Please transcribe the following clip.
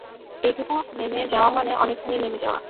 এইটুকু নেমে যাওয়া মানে অনেকখানি নেমে যাওয়া।